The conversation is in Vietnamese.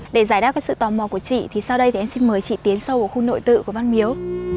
để giải đáp sự tò mò của chị thì sau đây thì em xin mời chị tiến sâu vào khu nội tự của văn miếu